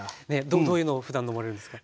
どういうのをふだん飲まれるんですか？